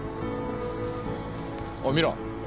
おい見ろ